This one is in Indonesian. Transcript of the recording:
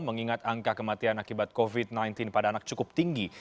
mengingat angka kematian akibat covid sembilan belas pada anak cukup tinggi